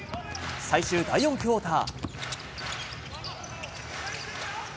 最終第４クオーター。